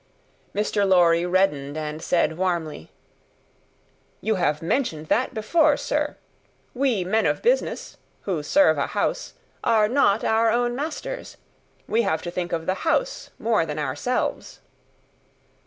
Mr. Lorry reddened, and said, warmly, "You have mentioned that before, sir. We men of business, who serve a House, are not our own masters. We have to think of the House more than ourselves."